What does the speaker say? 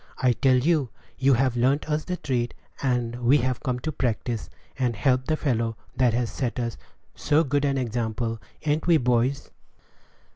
I tell you, you've learnt us the trade, and we've come to practise, and help the fellow that has set us so good an example ain't we, boys?"